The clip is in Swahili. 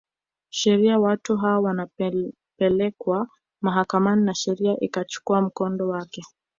sheria watu hao wapelekwe mahakamani na sheria ikachukua mkondo wake